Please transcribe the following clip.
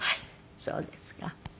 そうですか。